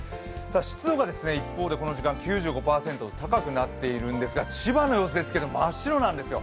湿度が一方でこの時間９５％と高くなっているんですが、千葉の様子ですけれども、真っ白なんですよ。